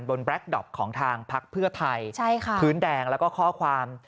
แบล็คดอปของทางพักเพื่อไทยพื้นแดงแล้วก็ข้อความ